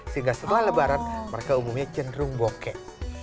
sehingga setelah lebaran mereka umumnya cenderung bokeh